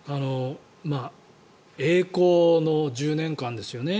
栄光の１０年間ですよね。